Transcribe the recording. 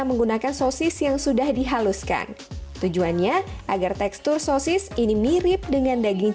menggunakan sosis yang sudah dihaluskan tujuannya agar tekstur sosis ini mirip dengan daging